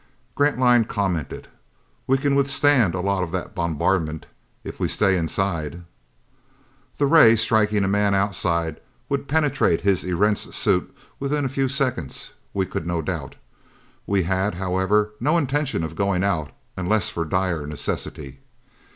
Grantline commented: "We can withstand a lot of that bombardment. If we stay inside " That ray, striking a man outside, would penetrate his Erentz suit within a few seconds, we could not doubt. We had, however, no intention of going out unless for dire necessity.